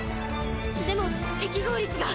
でも適合率が。